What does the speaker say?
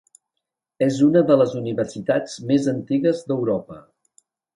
És una de les universitats més antigues d'Europa.